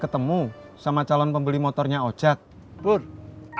ketemu sama calon pembeli motornya ojek buru buru